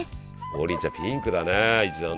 王林ちゃんピンクだね一段と。